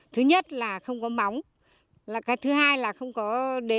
thứ nhất là không có móng thứ hai là không có đế